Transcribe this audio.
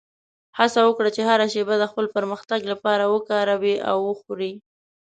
هڅه وکړه چې هره شېبه د خپل پرمختګ لپاره وکاروې او وخورې.